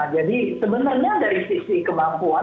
jadi sebenarnya dari sisi kemampuan